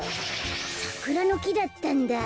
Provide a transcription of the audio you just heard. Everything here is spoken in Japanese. サクラのきだったんだ。